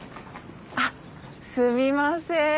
あっすみません。